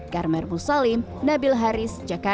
garmar musalim nabil haris jakarta